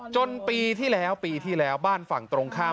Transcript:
จนปีที่แล้วปีที่แล้วบ้านฝั่งตรงข้าม